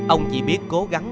ông chỉ biết cố gắng